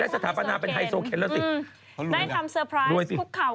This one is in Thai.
ได้ทำสเตอร์ไพรส์บุคเขาขอสาวขนมจีนแต่งงานนะคะท่ามกลางสักขี้พยานธนาคมครุอเลย